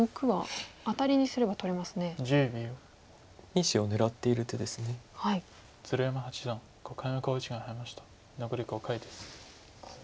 残り５回です。